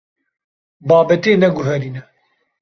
Babetê neguherîne.